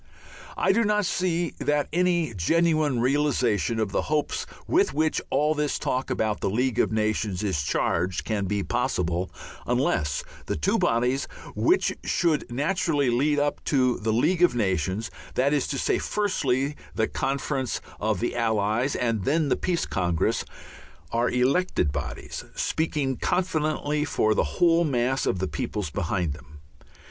I do not see that any genuine realization of the hopes with which all this talk about the League of Nations is charged can be possible, unless the two bodies which should naturally lead up to the League of Nations that is to say, firstly, the Conference of the Allies, and then the Peace Congress are elected bodies, speaking confidently for the whole mass of the peoples behind them.